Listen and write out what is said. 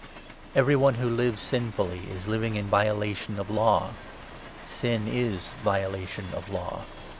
Thc Every one who lives sinfully is living in vio 4 children's lation of Law. Sin is violation of Law.